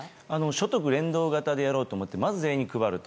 所得連動型でやろうと思ってまず全員に配ると。